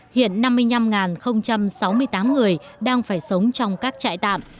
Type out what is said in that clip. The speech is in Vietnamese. hiện năm mươi năm sáu mươi tám người đang phải sống trong các trại tạm